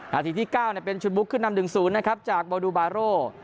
นาทีที่๙เป็นชนบุ๊กขึ้น๕๐นะครับจากบอลดูบาโร